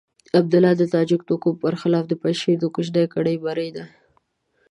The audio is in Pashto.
عبدالله د تاجک توکم پر خلاف د پنجشير د کوچنۍ کړۍ مرۍ ده.